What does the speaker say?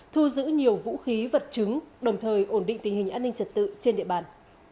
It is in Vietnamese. thu giữ nhiều vũ khí vật chứng đồng thời ổn định tình hình an ninh trật tự trên địa bàn